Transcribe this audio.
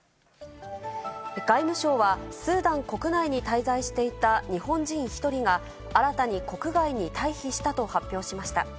外務省は、スーダン国内に滞在していた日本人１人が、新たに国外に退避したと発表しました。